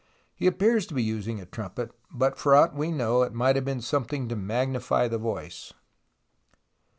He appears to be using a trumpet, but for aught we know it might have been something to magnify the voice.